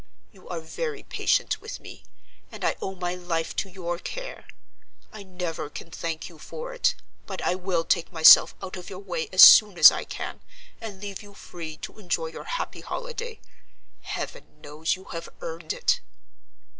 You are very patient with me, and I owe my life to your care: I never can thank you for it; but I will take myself out of your way as soon as I can, and leave you free to enjoy your happy holiday. Heaven knows you have earned it!"